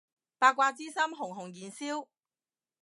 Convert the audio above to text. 八卦之心熊熊燃燒